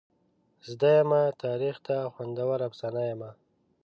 زده یمه تاریخ ته خوندوره افسانه یمه.